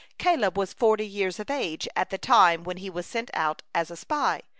Caleb was forty years of age at the time when he was sent out as a spy.